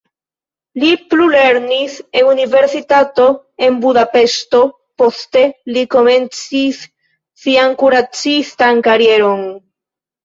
Li plulernis en universitato en Budapeŝto, poste li komencis sian kuracistan karieron.